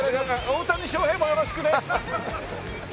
大谷翔平もよろしくね。